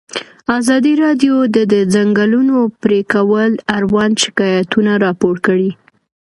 ازادي راډیو د د ځنګلونو پرېکول اړوند شکایتونه راپور کړي.